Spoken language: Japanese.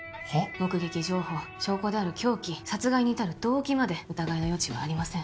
目撃情報証拠である凶器殺害に至る動機まで疑いの余地はありません